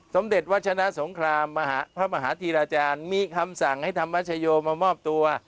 สมเด็จวัชนะสงครามพระมหาธีราจารย์มีคำสั่งให้ธรรมชโยมามอบตัว